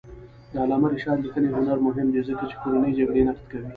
د علامه رشاد لیکنی هنر مهم دی ځکه چې کورنۍ جګړې نقد کوي.